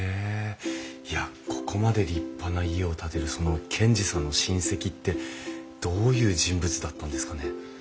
いやここまで立派な家を建てるその賢治さんの親戚ってどういう人物だったんですかね？